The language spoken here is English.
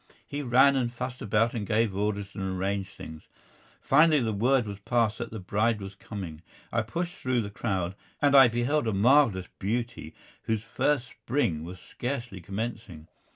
He ran and fussed about and gave orders and arranged things. Finally word was passed that the bride was coming. I pushed through the crowd, and I beheld a marvellous beauty whose first spring was scarcely commencing.